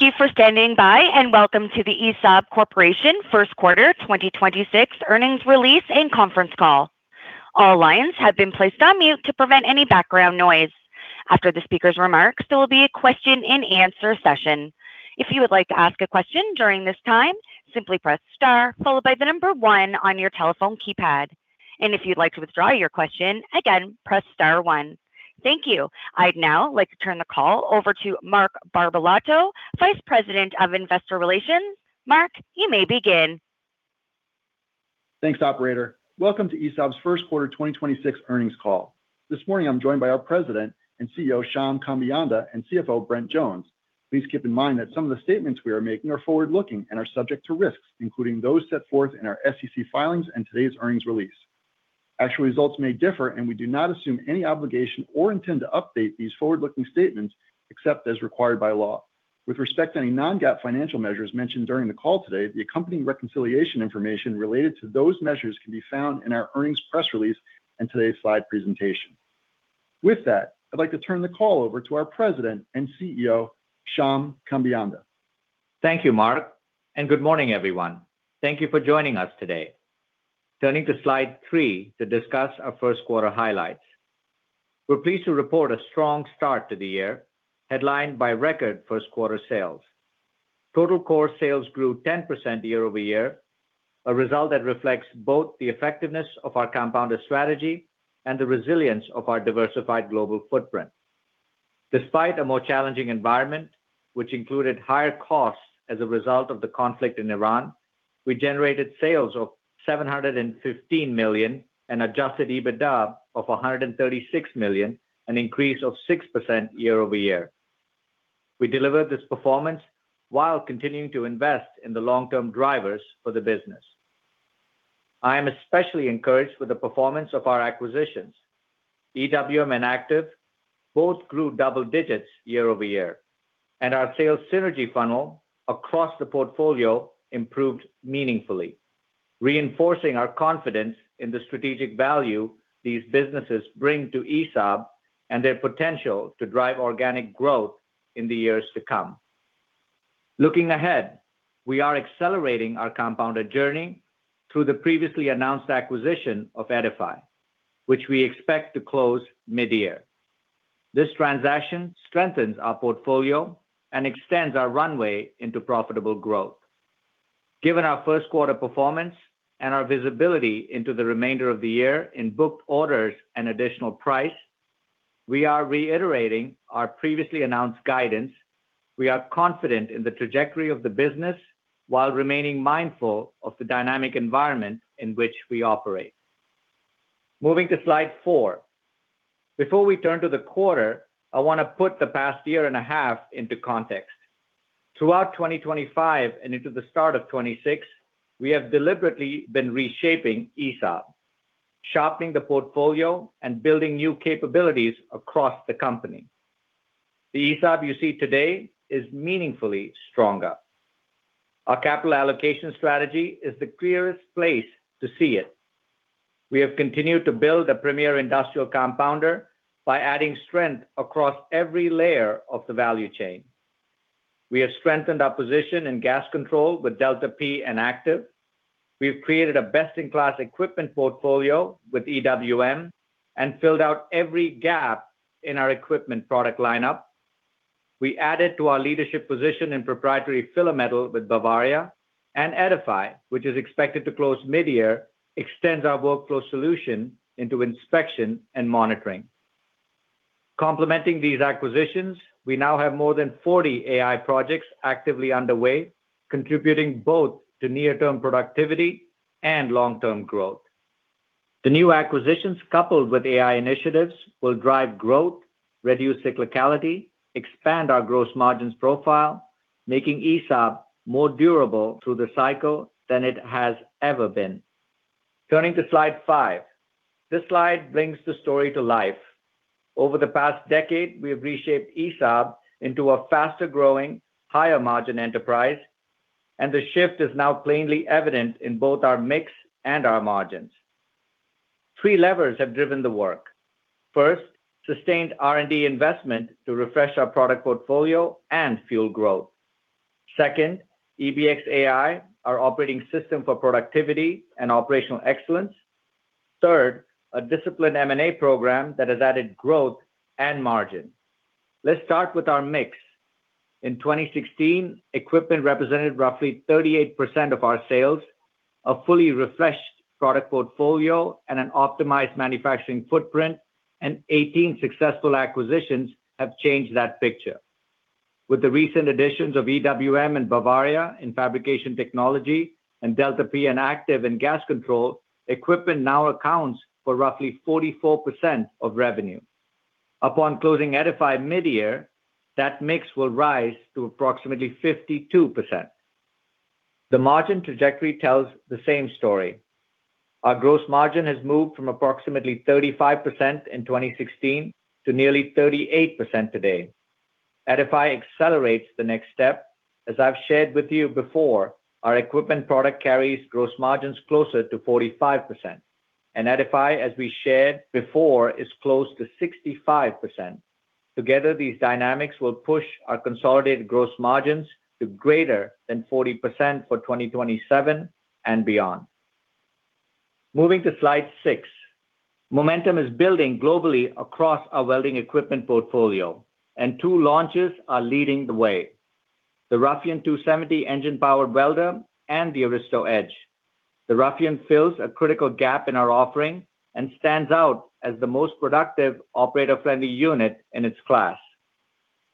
Thank you for standing by, and welcome to the ESAB Corporation First Quarter 2026 Earnings Release and Conference Call. All lines have been placed on mute to prevent any background noise. After the speaker's remarks, there will be a question-and-answer session. If you would like to ask a question during this time, simply press star followed by one on your telephone keypad. If you'd like to withdraw your question, again, press star one. Thank you. I'd now like to turn the call over to Mark Barbalato, Vice President of Investor Relations. Mark, you may begin. Thanks, operator. Welcome to ESAB's first quarter 2026 earnings call. This morning, I'm joined by our President and CEO, Shyam Kambeyanda, and CFO, Brent Jones. Please keep in mind that some of the statements we are making are forward-looking and are subject to risks, including those set forth in our SEC filings and today's earnings release. Actual results may differ and we do not assume any obligation or intend to update these forward-looking statements except as required by law. With respect to any non-GAAP financial measures mentioned during the call today, the accompanying reconciliation information related to those measures can be found in our earnings press release and today's slide presentation. With that, I'd like to turn the call over to our President and CEO, Shyam Kambeyanda. Thank you, Mark. Good morning, everyone. Thank you for joining us today. Turning to slide three to discuss our first quarter highlights. We're pleased to report a strong start to the year, headlined by record first quarter sales. Total core sales grew 10% year-over-year, a result that reflects both the effectiveness of our compounded strategy and the resilience of our diversified global footprint. Despite a more challenging environment, which included higher costs as a result of the conflict in Iran, we generated sales of $715 million and adjusted EBITDA of $136 million, an increase of 6% year-over-year. We delivered this performance while continuing to invest in the long-term drivers for the business. I am especially encouraged with the performance of our acquisitions. EWM and Aktiv both grew double digits year-over-year. And, our sales synergy funnel across the portfolio improved meaningfully, reinforcing our confidence in the strategic value these businesses bring to ESAB and their potential to drive organic growth in the years to come. Looking ahead, we are accelerating our compounded journey through the previously announced acquisition of Eddyfi, which we expect to close mid-year. This transaction strengthens our portfolio and extends our runway into profitable growth. Given our first quarter performance and our visibility into the remainder of the year in booked orders and additional price, we are reiterating our previously announced guidance. We are confident in the trajectory of the business while remaining mindful of the dynamic environment in which we operate. Moving to slide four. Before we turn to the quarter, I want to put the past year and a half into context. Throughout 2025 and into the start of 2026, we have deliberately been reshaping ESAB, sharpening the portfolio and building new capabilities across the company. The ESAB you see today is meaningfully stronger. Our capital allocation strategy is the clearest place to see it. We have continued to build a premier industrial compounder by adding strength across every layer of the value chain. We have strengthened our position in gas control with DeltaP and Aktiv. We've created a best-in-class equipment portfolio with EWM and filled out every gap in our equipment product lineup. We added to our leadership position in proprietary filler metal with Bavaria and Eddyfi, which is expected to close mid-year, extend our workflow solution into inspection and monitoring. Complementing these acquisitions, we now have more than 40 AI projects actively underway, contributing both to near-term productivity and long-term growth. The new acquisitions coupled with AI initiatives will drive growth, reduce cyclicality, expand our gross margins profile, making ESAB more durable through the cycle than it has ever been. Turning to slide five. This slide brings the story to life. Over the past decade, we have reshaped ESAB into a faster-growing, higher-margin enterprise, and the shift is now plainly evident in both our mix and our margins. Three levers have driven the work. First, sustained R&D investment to refresh our product portfolio and fuel growth. Second, EBXai, our operating system for productivity and operational excellence. Third, a disciplined M&A program that has added growth and margin. Let's start with our mix. In 2016, equipment represented roughly 38% of our sales. A fully refreshed product portfolio and an optimized manufacturing footprint and 18 successful acquisitions have changed that picture. With the recent additions of EWM and Bavaria in fabrication technology and DeltaP and Aktiv in gas control, equipment now accounts for roughly 44% of revenue. Upon closing Eddyfi mid-year, that mix will rise to approximately 52%. The margin trajectory tells the same story. Our gross margin has moved from approximately 35% in 2016 to nearly 38% today. Eddyfi accelerates the next step. As I've shared with you before, our equipment product carries gross margins closer to 45%. And Eddyfi, as we shared before, is close to 65%. Together, these dynamics will push our consolidated gross margins to greater than 40% for 2027 and beyond. Moving to slide six. Momentum is building globally across our welding equipment portfolio, and two launches are leading the way, the Ruffian 270 engine-powered welder and the Aristo Edge. The Ruffian fills a critical gap in our offering and stands out as the most productive operator-friendly unit in its class.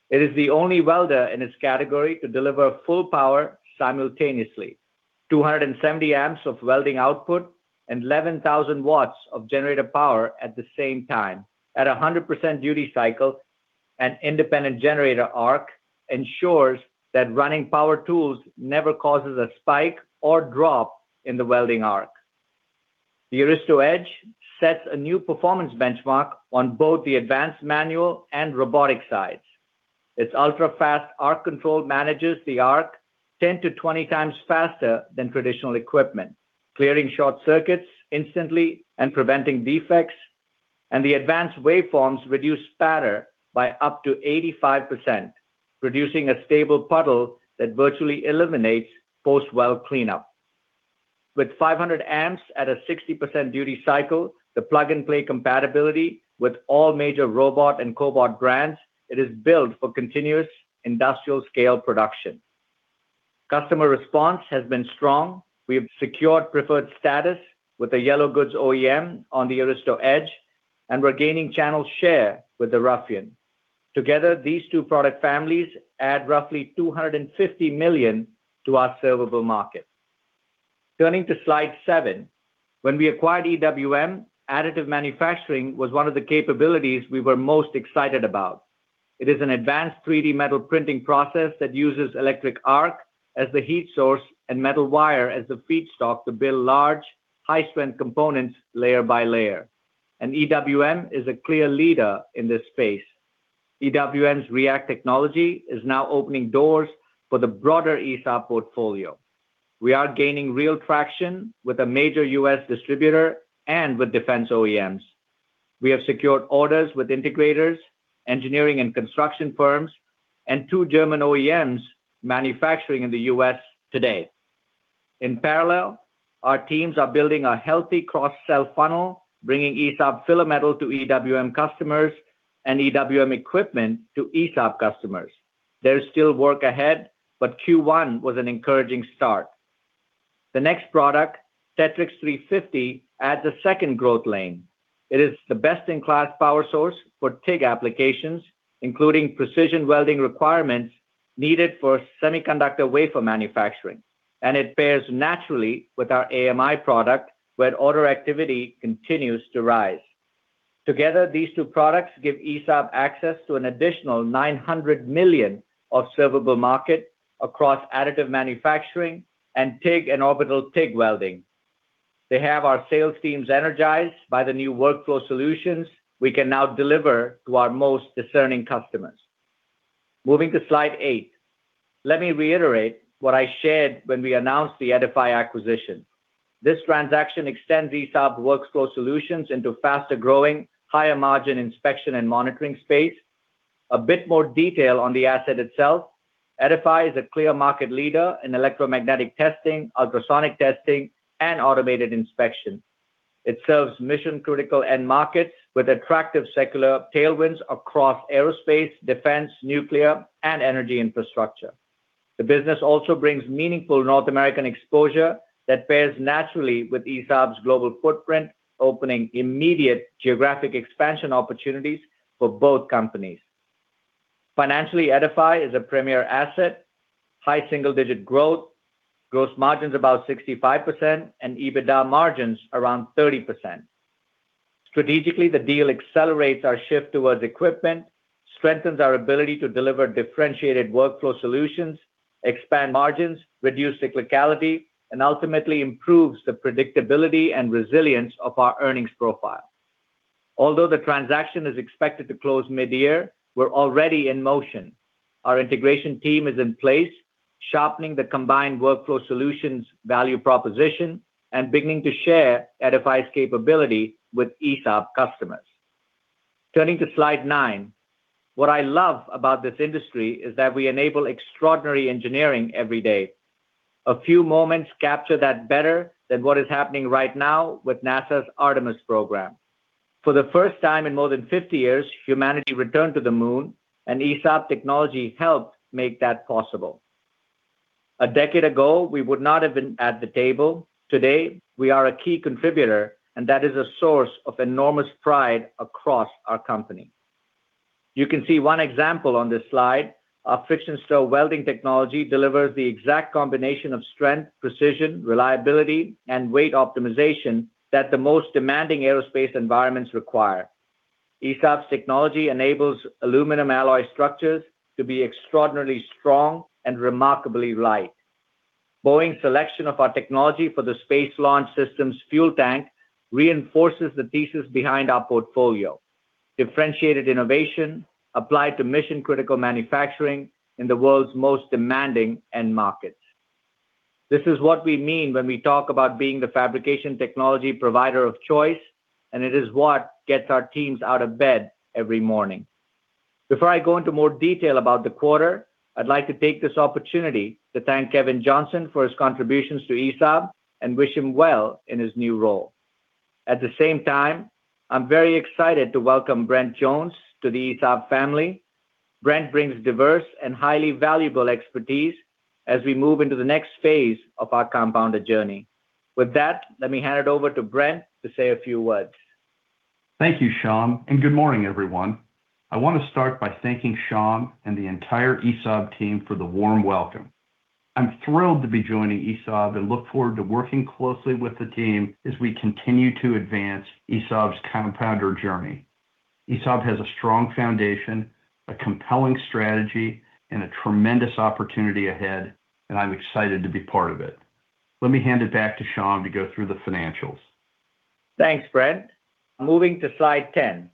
It is the only welder in its category to deliver full power simultaneously, 270 amps of welding output and 11,000 watts of generator power at the same time. At a 100% duty cycle and independent generator arc ensures that running power tools never causes a spike or drop in the welding arc. The Aristo Edge sets a new performance benchmark on both the advanced manual and robotic sides. Its ultra-fast arc control manages the arc 10x-20x faster than traditional equipment, clearing short circuits instantly and preventing defects. And, the advanced waveforms reduce spatter by up to 85%, producing a stable puddle that virtually eliminates post-weld cleanup. With 500 amps at a 60% duty cycle, the plug-and-play compatibility with all major robot and cobot brands, it is built for continuous industrial-scale production. Customer response has been strong. We have secured preferred status with a yellow goods OEM on the Aristo Edge, and we're gaining channel share with the Ruffian. Together, these two product families add roughly $250 million to our servable market. Turning to slide seven. When we acquired EWM, additive manufacturing was one of the capabilities we were most excited about. It is an advanced 3D metal printing process that uses electric arc as the heat source and metal wire as the feedstock to build large, high-strength components layer by layer. And EWM is a clear leader in this space. EWM's React technology is now opening doors for the broader ESAB portfolio. We are gaining real traction with a major U.S. distributor and with defense OEMs. We have secured orders with integrators, engineering and construction firms, and two German OEMs manufacturing in the U.S. today. In parallel, our teams are building a healthy cross-sell funnel, bringing ESAB filler metal to EWM customers and EWM equipment to ESAB customers. There is still work ahead but Q1 was an encouraging start. The next product, Tetrix 350, adds a second growth lane. It is the best-in-class power source for TIG applications, including precision welding requirements needed for semiconductor wafer manufacturing. And it pairs naturally with our AMI product, where order activity continues to rise. Together, these two products give ESAB access to an additional $900 million of servable market across additive manufacturing and TIG and orbital TIG welding. They have our sales teams energized by the new workflow solutions we can now deliver to our most discerning customers. Moving to slide eight. Let me reiterate what I shared when we announced the Eddyfi acquisition. This transaction extends ESAB workflow solutions into faster-growing, higher-margin inspection and monitoring space. A bit more detail on the asset itself. Eddyfi is a clear market leader in electromagnetic testing, ultrasonic testing, and automated inspection. It serves mission-critical end markets with attractive secular tailwinds across aerospace, defense, nuclear, and energy infrastructure. The business also brings meaningful North American exposure that pairs naturally with ESAB's global footprint, opening immediate geographic expansion opportunities for both companies. Financially, Eddyfi is a premier asset, high single-digit growth, gross margins about 65%, and EBITDA margins around 30%. Strategically, the deal accelerates our shift towards equipment, strengthens our ability to deliver differentiated workflow solutions, expand margins, reduce cyclicality, and ultimately improves the predictability and resilience of our earnings profile. Although the transaction is expected to close mid-year, we're already in motion. Our integration team is in place, sharpening the combined workflow solutions value proposition and beginning to share Eddyfi's capability with ESAB customers. Turning to slide nine. What I love about this industry is that we enable extraordinary engineering every day. A few moments capture that better than what is happening right now with NASA's Artemis program. For the first time in more than 50 years, humanity returned to the moon, and ESAB technology helped make that possible. A decade ago, we would not have been at the table. Today, we are a key contributor, and that is a source of enormous pride across our company. You can see one example on this slide. Our friction stir welding technology delivers the exact combination of strength, precision, reliability, and weight optimization that the most demanding aerospace environments require. ESAB's technology enables aluminum alloy structures to be extraordinarily strong and remarkably light. Boeing's selection of our technology for the Space Launch System's fuel tank reinforces the thesis behind our portfolio. Differentiated innovation applied to mission-critical manufacturing in the world's most demanding end markets. This is what we mean when we talk about being the fabrication technology provider of choice, and it is what gets our teams out of bed every morning. Before I go into more detail about the quarter, I'd like to take this opportunity to thank Kevin Johnson for his contributions to ESAB and wish him well in his new role. At the same time, I'm very excited to welcome Brent Jones to the ESAB family. Brent brings diverse and highly valuable expertise as we move into the next phase of our compounder journey. With that, let me hand it over to Brent to say a few words. Thank you, Shyam, and good morning, everyone. I want to start by thanking Shyam and the entire ESAB team for the warm welcome. I'm thrilled to be joining ESAB and look forward to working closely with the team as we continue to advance ESAB's compounder journey. ESAB has a strong foundation, a compelling strategy, and a tremendous opportunity ahead, and I'm excited to be part of it. Let me hand it back to Shyam to go through the financials. Thanks, Brent. Moving to slide 10.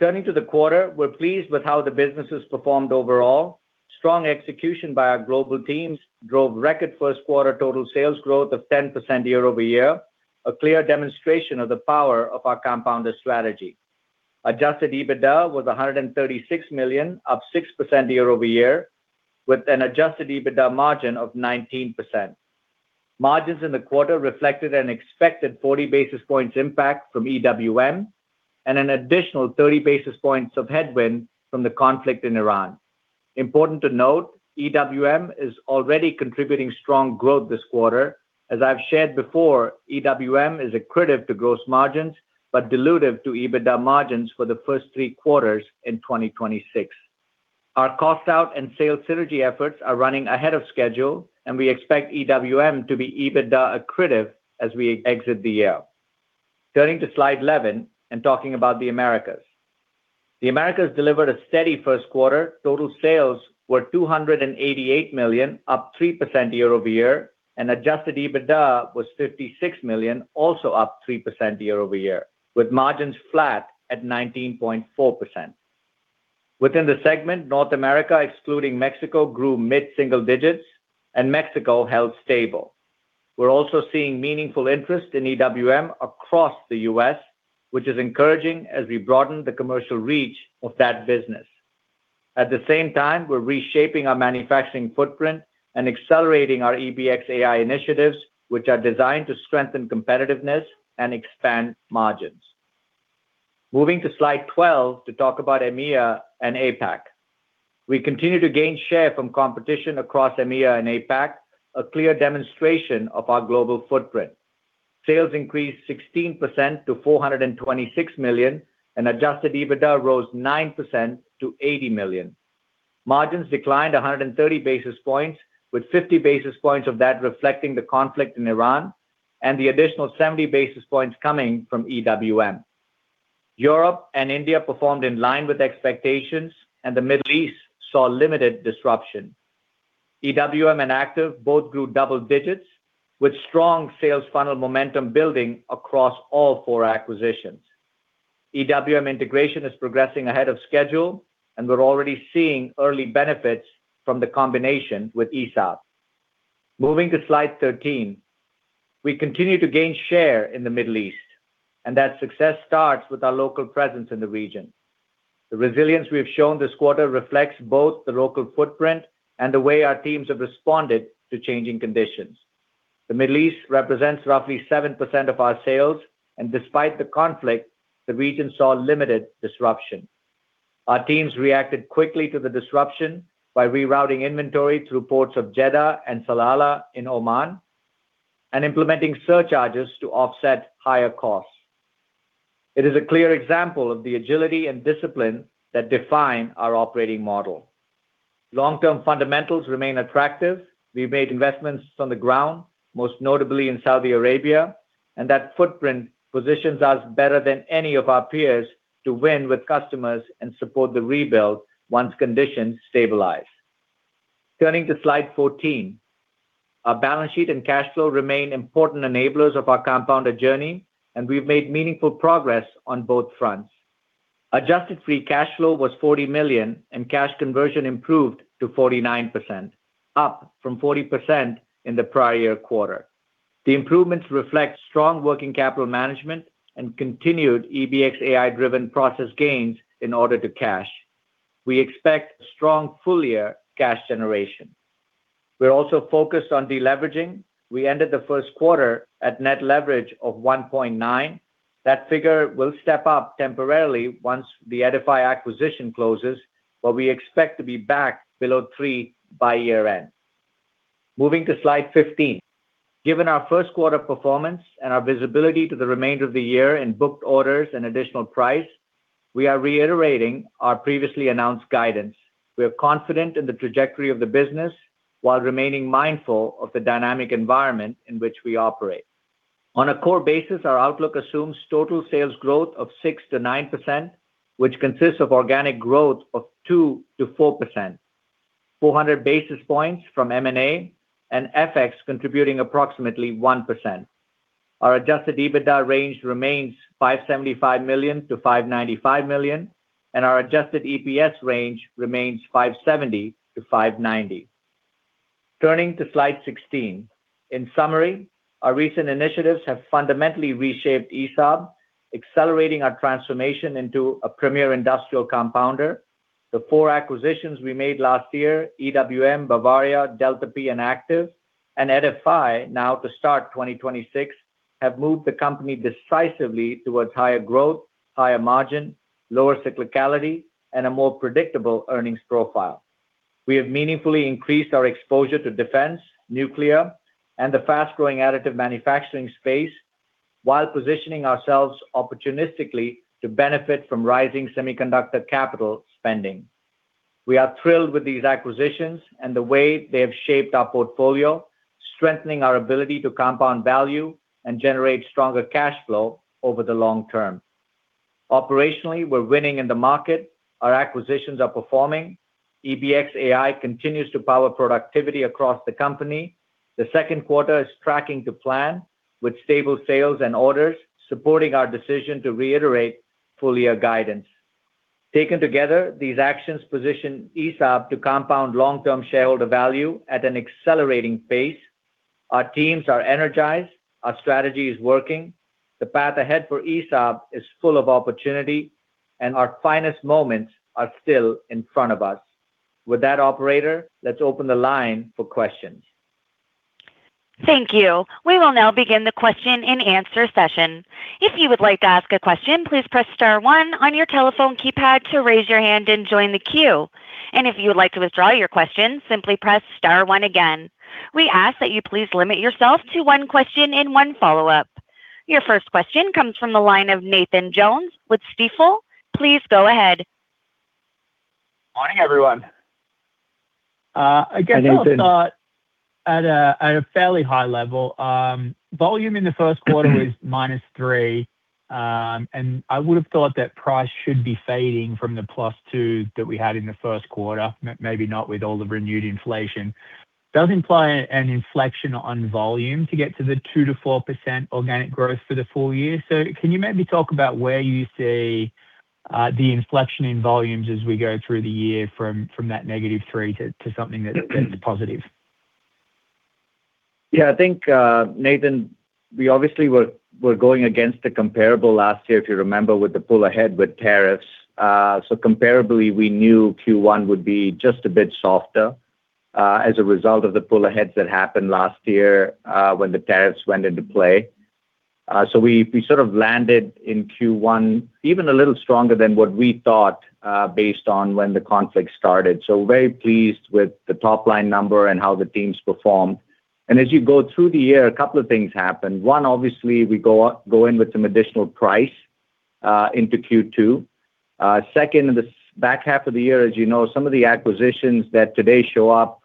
Turning to the quarter, we're pleased with how the business has performed overall. Strong execution by our global teams drove record first quarter total sales growth of 10% year-over-year, a clear demonstration of the power of our compounder strategy. Adjusted EBITDA was $136 million, up 6% year-over-year, with an adjusted EBITDA margin of 19%. Margins in the quarter reflected an expected 40 basis points impact from EWM and an additional 30 basis points of headwind from the conflict in Iran. Important to note, EWM is already contributing strong growth this quarter. As I've shared before, EWM is accretive to gross margins but dilutive to EBITDA margins for the first three quarters in 2026. Our cost out and sales synergy efforts are running ahead of schedule. We expect EWM to be EBITDA accretive as we exit the year. Turning to slide 11 and talking about the Americas. The Americas delivered a steady first quarter. Total sales were $288 million, up 3% year-over-year and adjusted EBITDA was $56 million, also up 3% year-over-year, with margins flat at 19.4%. Within the segment, North America, excluding Mexico, grew mid-single digits and Mexico held stable. We're also seeing meaningful interest in EWM across the U.S., which is encouraging as we broaden the commercial reach of that business. At the same time, we're reshaping our manufacturing footprint and accelerating our EBXai initiatives, which are designed to strengthen competitiveness and expand margins. Moving to slide 12 to talk about EMEA and APAC. We continue to gain share from competition across EMEA and APAC, a clear demonstration of our global footprint. Sales increased 16% to $426 million, and adjusted EBITDA rose 9% to $80 million. Margins declined 130 basis points, with 50 basis points of that reflecting the conflict in Iran and the additional 70 basis points coming from EWM. Europe and India performed in line with expectations, and the Middle East saw limited disruption. EWM and Aktiv both grew double digits, with strong sales funnel momentum building across all four acquisitions. EWM integration is progressing ahead of schedule, and we're already seeing early benefits from the combination with ESAB. Moving to slide 13. We continue to gain share in the Middle East, and that success starts with our local presence in the region. The resilience we have shown this quarter reflects both the local footprint and the way our teams have responded to changing conditions. The Middle East represents roughly 7% of our sales, and despite the conflict, the region saw limited disruption. Our teams reacted quickly to the disruption by rerouting inventory through ports of Jeddah and Salalah in Oman and implementing surcharges to offset higher costs. It is a clear example of the agility and discipline that define our operating model. Long-term fundamentals remain attractive. We've made investments on the ground, most notably in Saudi Arabia, and that footprint positions us better than any of our peers to win with customers and support the rebuild once conditions stabilize. Turning to slide 14. Our balance sheet and cash flow remain important enablers of our compounder journey, and we've made meaningful progress on both fronts. Adjusted free cash flow was $40 million, and cash conversion improved to 49%, up from 40% in the prior quarter. The improvements reflect strong working capital management and continued EBXai-driven process gains in order to cash. We expect strong full-year cash generation. We're also focused on deleveraging. We ended the first quarter at net leverage of 1.9. That figure will step up temporarily once the Eddyfi acquisition closes, but we expect to be back below 3 by year-end. Moving to slide 15. Given our first quarter performance and our visibility to the remainder of the year in booked orders and additional price, we are reiterating our previously announced guidance. We are confident in the trajectory of the business while remaining mindful of the dynamic environment in which we operate. On a core basis, our outlook assumes total sales growth of 6%-9%, which consists of organic growth of 2%-4%, 400 basis points from M&A, and FX contributing approximately 1%. Our adjusted EBITDA range remains $575 million-$595 million, and our adjusted EPS range remains $5.70-$5.90. Turning to slide 16. In summary, our recent initiatives have fundamentally reshaped ESAB, accelerating our transformation into a premier industrial compounder. The four acquisitions we made last year, EWM, Bavaria, DeltaP, and Aktiv, and Eddyfi now to start 2026, have moved the company decisively towards higher growth, higher margin, lower cyclicality, and a more predictable earnings profile. We have meaningfully increased our exposure to defense, nuclear, and the fast-growing additive manufacturing space while positioning ourselves opportunistically to benefit from rising semiconductor capital spending. We are thrilled with these acquisitions and the way they have shaped our portfolio, strengthening our ability to compound value and generate stronger cash flow over the long term. Operationally, we're winning in the market. Our acquisitions are performing. EBXai continues to power productivity across the company. The second quarter is tracking to plan with stable sales and orders, supporting our decision to reiterate full-year guidance. Taken together, these actions position ESAB to compound long-term shareholder value at an accelerating pace. Our teams are energized. Our strategy is working. The path ahead for ESAB is full of opportunity, and our finest moments are still in front of us. With that, operator, let's open the line for questions. Thank you. We will now begin the question-and-answer session. If you would like to ask a question, please press star one on your telephone keypad to raise your hand and join the queue. If you would like to withdraw your question, simply press star one again. We ask that you please limit yourself to one question and one follow-up. Your first question comes from the line of Nathan Jones with Stifel. Please go ahead. Morning, everyone. Hi, Nathan. I guess I'll start at a fairly high level. Volume in the first quarter was -3%, and I would have thought that price should be fading from the +2% that we had in the first quarter, maybe not with all the renewed inflation. Does imply an inflection on volume to get to the 2%-4% organic growth for the full year. Can you maybe talk about where you see the inflection in volumes as we go through the year from that -3% to something that is a positive? Yeah. I think, Nathan, we obviously were going against the comparable last year, if you remember, with the pull ahead with tariffs. Comparably, we knew Q1 would be just a bit softer as a result of the pull-aheads that happened last year when the tariffs went into play. We sort of landed in Q1 even a little stronger than what we thought based on when the conflict started. Very pleased with the top-line number and how the teams performed. As you go through the year, a couple of things happen. One, obviously, we go in with some additional price into Q2. Second, in the back half of the year, as you know, some of the acquisitions that today show up,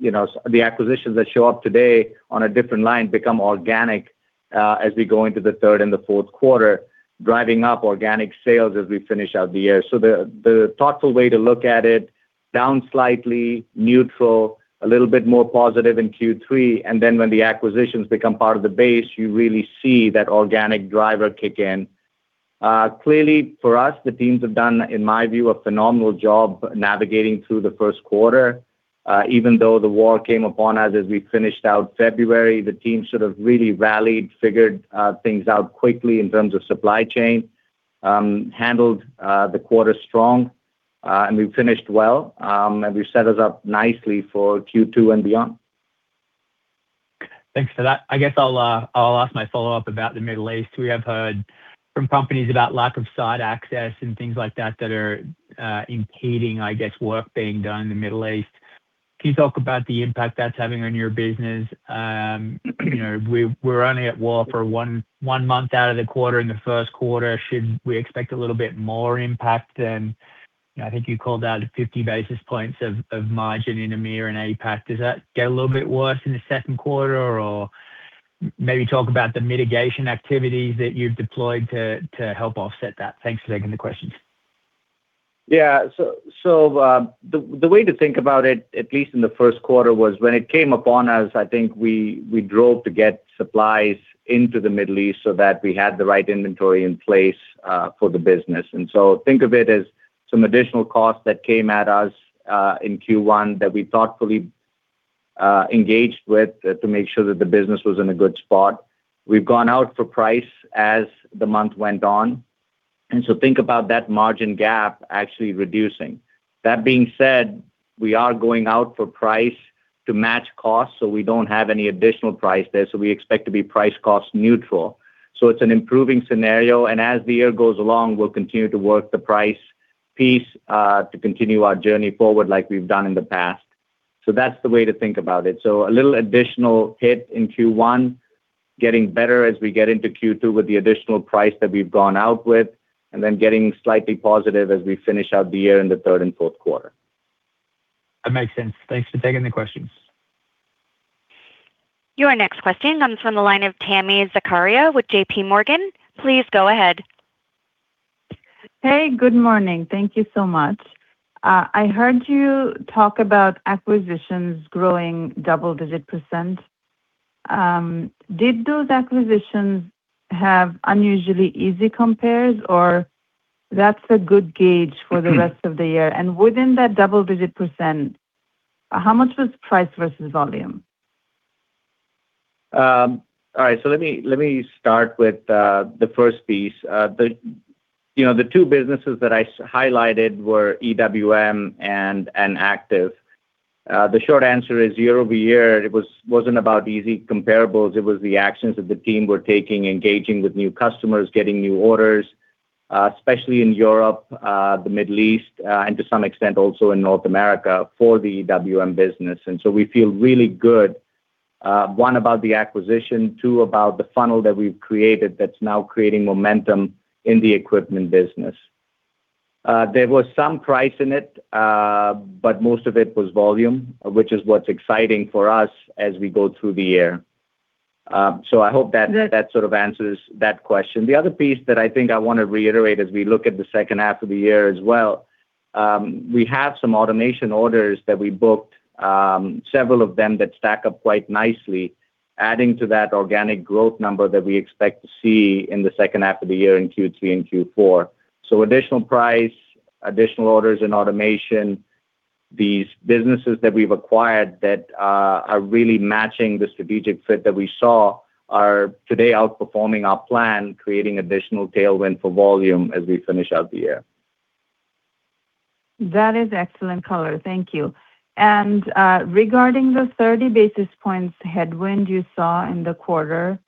you know, the acquisitions that show up today on a different line become organic as we go into the third and the fourth quarter, driving up organic sales as we finish out the year. The thoughtful way to look at it, down slightly, neutral, a little bit more positive in Q3, and then when the acquisitions become part of the base, you really see that organic driver kick in. Clearly for us, the teams have done, in my view, a phenomenal job navigating through the first quarter. Even though the war came upon us as we finished out February, the team sort of really rallied, figured things out quickly in terms of supply chain, handled the quarter strong, and we finished well, and we set us up nicely for Q2 and beyond. Thanks for that. I guess I'll ask my follow-up about the Middle East. We have heard from companies about lack of site access and things like that that are impeding, I guess, work being done in the Middle East. Can you talk about the impact that's having on your business? you know, We're only at war for one month out of the quarter in the first quarter. Should we expect a little bit more impact than, you know, I think you called out 50 basis points of margin in EMEA and APAC? Does that get a little bit worse in the second quarter or maybe talk about the mitigation activities that you've deployed to help offset that? Thanks for taking the questions. Yeah. So, the way to think about it, at least in the first quarter, was when it came upon us, I think we drove to get supplies into the Middle East so that we had the right inventory in place for the business. Think of it as some additional costs that came at us in Q1 that we thoughtfully engaged with to make sure that the business was in a good spot. We've gone out for price as the month went on, and so think about that margin gap actually reducing. That being said, we are going out for price to match costs, so we don't have any additional price there. We expect to be price cost neutral. It's an improving scenario, and as the year goes along, we'll continue to work the price piece to continue our journey forward like we've done in the past. That's the way to think about it. A little additional hit in Q1, getting better as we get into Q2 with the additional price that we've gone out with, and then getting slightly positive as we finish out the year in the third and fourth quarter. That makes sense. Thanks for taking the questions. Your next question comes from the line of Tami Zakaria with JPMorgan. Please go ahead. Hey, good morning. Thank you so much. I heard you talk about acquisitions growing double-digit percent. Did those acquisitions have unusually easy compares, or that's a good gauge for the rest of the year? And within that double-digit percent, how much was price versus volume? All right, so let me, let me start with the first piece. The, you know, the two businesses that I highlighted were EWM and Aktiv. The short answer is year-over-year it wasn't about easy comparables, it was the actions that the team were taking, engaging with new customers, getting new orders, especially in Europe, the Middle East, and to some extent also in North America for the EWM business. We feel really good, one, about the acquisition, two, about the funnel that we've created that's now creating momentum in the equipment business. There was some price in it, but most of it was volume, which is what's exciting for us as we go through the year. So I hope that, that sort of answers that question. The other piece that I think I wanna reiterate as we look at the second half of the year as well, we have some automation orders that we booked, several of them that stack up quite nicely, adding to that organic growth number that we expect to see in the second half of the year in Q3 and Q4. So, additional price, additional orders in automation. These businesses that we've acquired that are really matching the strategic fit that we saw are today outperforming our plan, creating additional tailwind for volume as we finish out the year. That is excellent color. Thank you. Regarding the 30 basis points headwind you saw in the quarter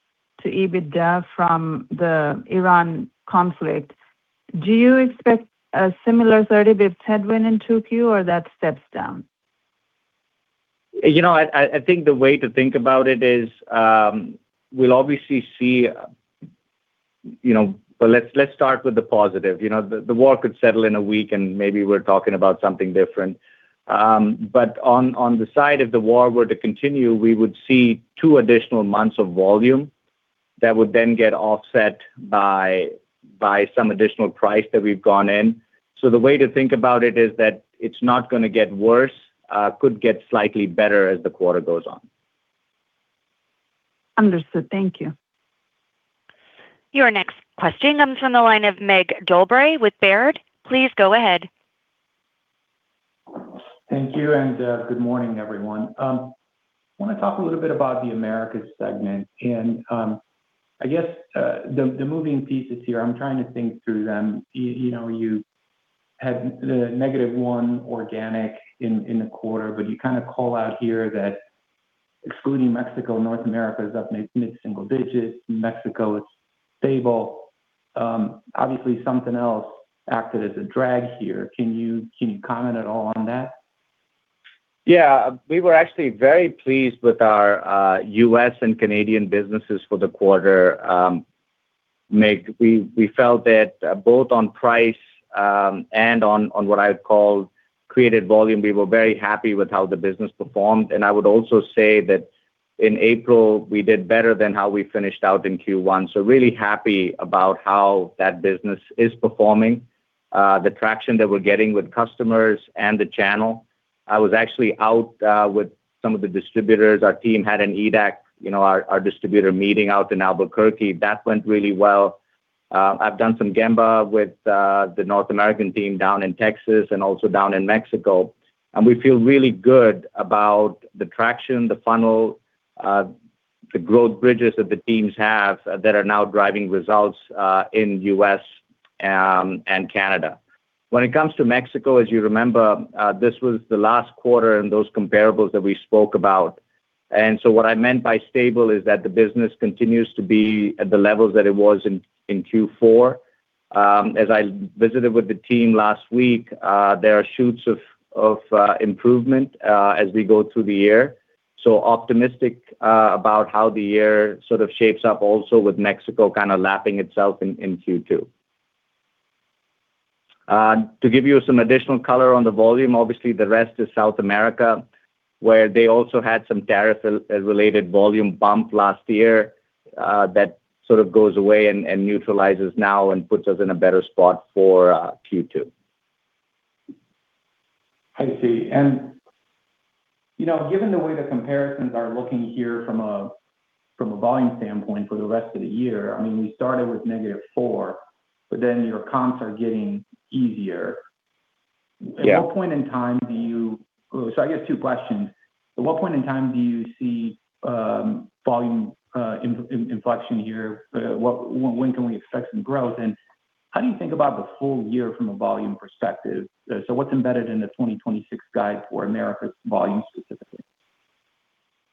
to EBITDA from the Iran conflict, do you expect a similar 30 basis points headwind in 2Q or that steps down? You know, I think the way to think about it is, we'll obviously see. You know, well, let's start with the positive. You know, the war could settle in a week and maybe we're talking about something different. But on the side, if the war were to continue, we would see two additional months of volume that would then get offset by some additional price that we've gone in. So, the way to think about it is that it's not gonna get worse, could get slightly better as the quarter goes on. Understood. Thank you. Your next question comes from the line of Mig Dobre with Baird. Please go ahead. Thank you, and good morning, everyone. I want to talk a little bit about the Americas segment and I guess the moving pieces here, I'm trying to think through them. You know, you had the -1 organic in the quarter, but you kind of call out here that excluding Mexico and North America is up mid single-digits. Mexico is stable. Obviously something else acted as a drag here. Can you comment at all on that? Yeah. We were actually very pleased with our U.S. and Canadian businesses for the quarter. Mig, we felt that both on price and on what I'd call created volume, we were very happy with how the business performed. I would also say that in April, we did better than how we finished out in Q1. So, really happy about how that business is performing. The traction that we're getting with customers and the channel. I was actually out with some of the distributors. Our team had an EDAC, you know, our distributor meeting out in Albuquerque. That went really well. I've done some Gemba with the North American team down in Texas and also down in Mexico, and we feel really good about the traction, the funnel, the growth bridges that the teams have that are now driving results in U.S. and Canada. When it comes to Mexico, as you remember, this was the last quarter in those comparables that we spoke about. What I meant by stable is that the business continues to be at the levels that it was in Q4. As I visited with the team last week, there are shoots of improvement as we go through the year. So, optimistic about how the year sort of shapes up also with Mexico kinda lapping itself in Q2. To give you some additional color on the volume, obviously the rest is South America, where they also had some tariff related volume bump last year, that sort of goes away and neutralizes now and puts us in a better spot for Q2. I see. You know, given the way the comparisons are looking here from a volume standpoint for the rest of the year, I mean, we started with -4, but then your comps are getting easier. Yeah. At what point in time do you? So I guess two questions. At what point in time do you see volume inflection here? When can we expect some growth? How do you think about the full year from a volume perspective? What's embedded in the 2026 guide for America's volume?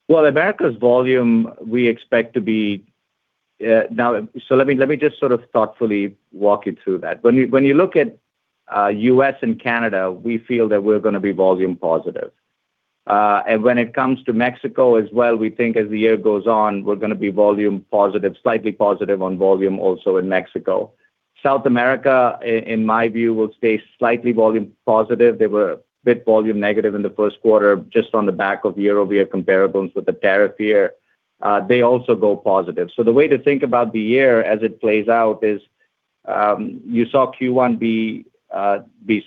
Well, America's volume, we expect to be. Let me just sort of thoughtfully walk you through that. When you look at U.S. and Canada, we feel that we're going to be volume positive. When it comes to Mexico as well, we think as the year goes on, we're going to be volume positive, slightly positive on volume also in Mexico. South America, in my view, will stay slightly volume positive. They were a bit volume negative in the first quarter, just on the back of year-over-year comparables with the tariff year. They also go positive. The way to think about the year as it plays out is, you saw Q1 be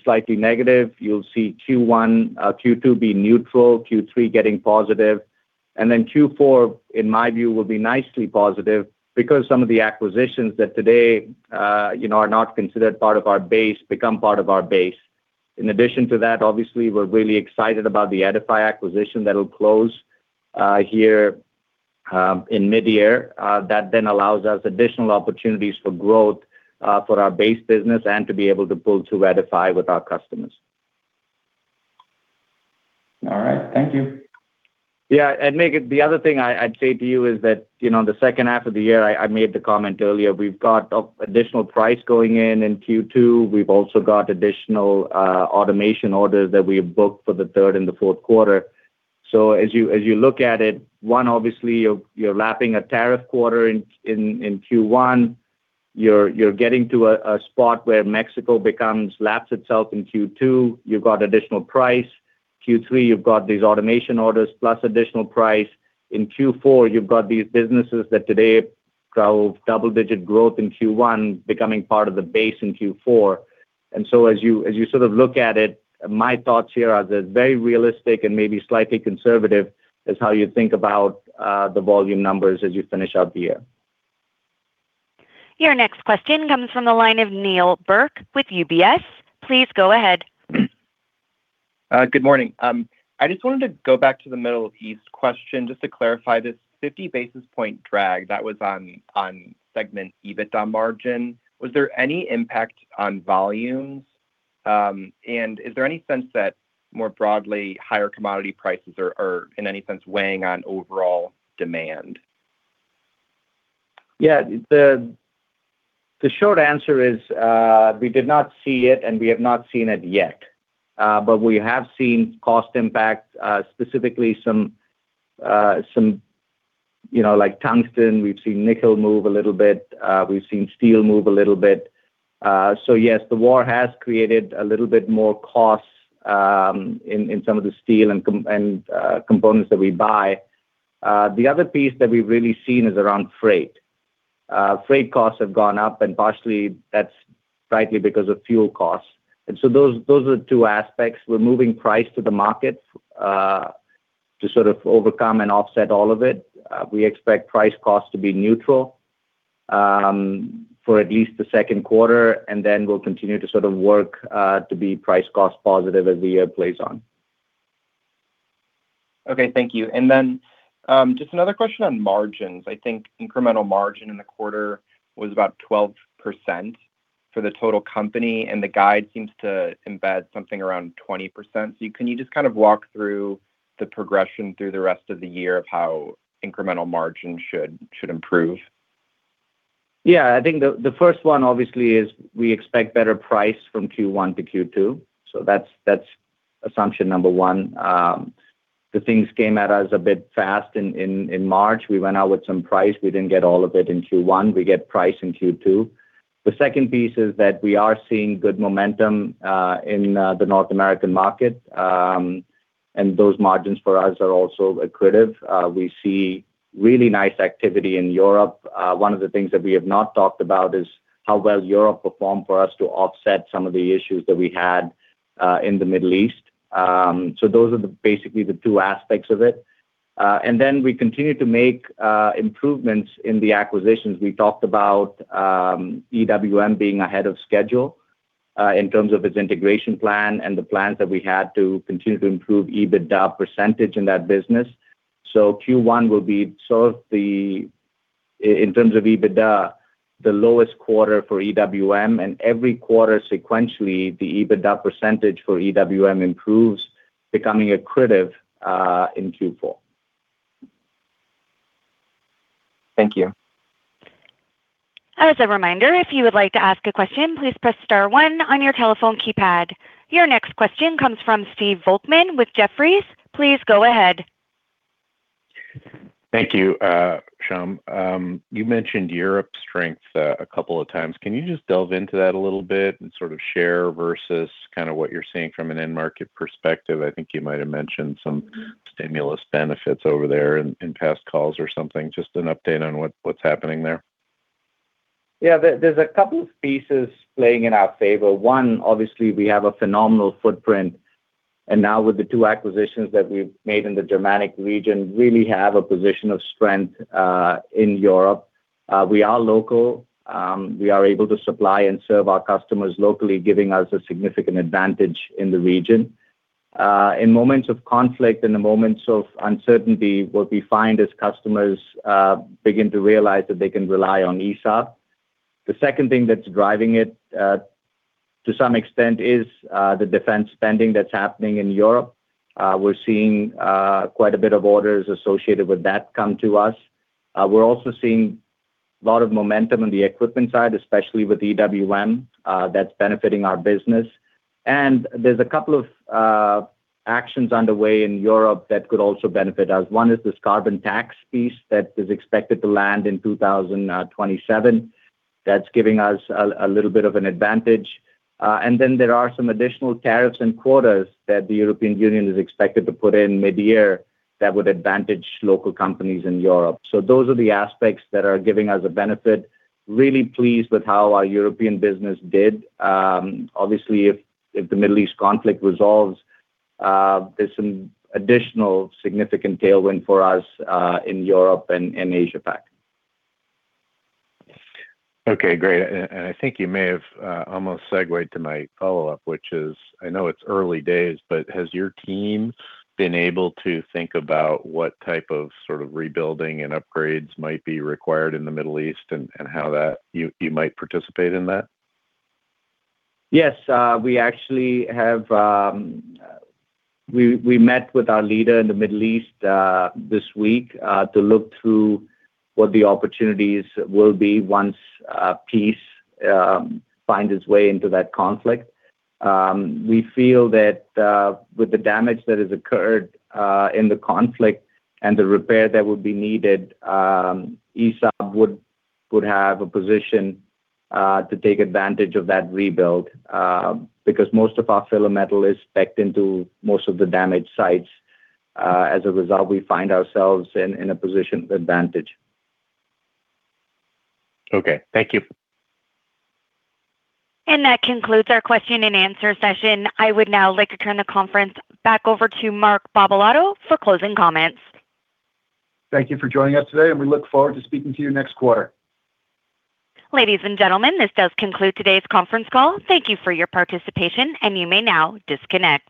slightly negative. You'll see Q2 be neutral, Q3 getting positive, and then Q4, in my view, will be nicely positive because some of the acquisitions that today, you know, are not considered part of our base, become part of our base. In addition to that, obviously, we're really excited about the Eddyfi acquisition that'll close here in mid-year. That then allows us additional opportunities for growth for our base business and to be able to pull through Eddyfi with our customers. All right. Thank you. Yeah. Maybe the other thing I'd say to you is that, you know, on the second half of the year, I made the comment earlier, we've got a additional price going in in Q2. We've also got additional automation orders that we have booked for the third and the fourth quarter. As you look at it, one, obviously, you're lapping a tariff quarter in Q1. You're getting to a spot where Mexico laps itself in Q2. You've got additional price. Q3, you've got these automation orders plus additional price. In Q4, you've got these businesses that today drove double-digit growth in Q1, becoming part of the base in Q4. As you sort of look at it, my thoughts here are they're very realistic and maybe slightly conservative is how you think about the volume numbers as you finish out the year. Your next question comes from the line of Neal Burk with UBS. Please go ahead. Good morning. I just wanted to go back to the Middle East question, just to clarify this 50 basis point drag that was on segment EBITDA margin. Was there any impact on volumes? And, is there any sense that more broadly higher commodity prices are in any sense weighing on overall demand? Yeah. The short answer is, we did not see it. We have not seen it yet. We have seen cost impact, specifically some, you know, like tungsten, we've seen nickel move a little bit. We've seen steel move a little bit. So yes, the war has created a little bit more costs in some of the steel and components that we buy. The other piece that we've really seen is around freight. Freight costs have gone up, partially that's slightly because of fuel costs. Those are the two aspects. We're moving price to the market to sort of overcome and offset all of it. We expect price cost to be neutral for at least the second quarter. And then, we'll continue to sort of work to be price cost positive as the year plays on. Okay. Thank you. And then, just another question on margins. I think incremental margin in the quarter was about 12% for the total company. The guide seems to embed something around 20%. Can you just kind of walk through the progression through the rest of the year of how incremental margin should improve? Yeah, I think the first one obviously is we expect better price from Q1 to Q2. That's assumption number one. The things came at us a bit fast in March. We went out with some price. We didn't get all of it in Q1. We get price in Q2. The second piece is that we are seeing good momentum in the North American market, and those margins for us are also accretive. We see really nice activity in Europe. One of the things that we have not talked about is how well Europe performed for us to offset some of the issues that we had in the Middle East. So, those are basically the two aspects of it. Then we continue to make improvements in the acquisitions. We talked about EWM being ahead of schedule in terms of its integration plan and the plans that we had to continue to improve EBITDA percentage in that business. So, Q1 will be sort of in terms of EBITDA, the lowest quarter for EWM, and every quarter sequentially, the EBITDA percentage for EWM improves, becoming accretive in Q4. Thank you. As a reminder, if you would like to ask a question, please press star one on your telephone keypad. Your next question comes from Steve Volkmann with Jefferies. Please go ahead. Thank you, Shyam. You mentioned Europe strength a couple of times. Can you just delve into that a little bit and sort of share versus kind of what you're seeing from an end market perspective? I think you might have mentioned some stimulus benefits over there in past calls or something. Just an update on what's happening there? Yeah. There's a couple of pieces playing in our favor. One, obviously we have a phenomenal footprint, and now with the two acquisitions that we've made in the Germanic region, really have a position of strength in Europe. We are local. We are able to supply and serve our customers locally, giving us a significant advantage in the region. In moments of conflict and the moments of uncertainty, what we find is customers begin to realize that they can rely on ESAB. The second thing that's driving it to some extent is the defense spending that's happening in Europe. We're seeing quite a bit of orders associated with that come to us. We're also seeing a lot of momentum on the equipment side, especially with EWM, that's benefiting our business. And, there's a couple of actions underway in Europe that could also benefit us. One is this carbon tax piece that is expected to land in 2027. That's giving us a little bit of an advantage. And then there are some additional tariffs and quotas that the European Union is expected to put in mid-year that would advantage local companies in Europe. Those are the aspects that are giving us a benefit. Really pleased with how our European business did. Obviously, if the Middle East conflict resolves, there's some additional significant tailwind for us in Europe and Asia Pac. Okay, great. I think you may have almost segued to my follow-up, which is I know it's early days, but has your team been able to think about what type of sort of rebuilding and upgrades might be required in the Middle East and how that you might participate in that? Yes. We actually have, we met with our leader in the Middle East this week to look through what the opportunities will be once peace finds its way into that conflict. We feel that with the damage that has occurred in the conflict and the repair that would be needed, ESAB would have a position to take advantage of that rebuild because most of our filler metal is specced into most of the damaged sites. As a result, we find ourselves in a position of advantage. Okay. Thank you. That concludes our question-and-answer session. I would now like to turn the conference back over to Mark Barbalato for closing comments. Thank you for joining us today, and we look forward to speaking to you next quarter. Ladies and gentlemen, this does conclude today's conference call. Thank you for your participation, and you may now disconnect.